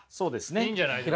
いいんじゃないですか。